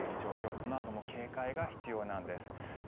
このあとも警戒が必要なんです。